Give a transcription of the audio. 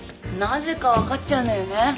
なぜか分かっちゃうのよね。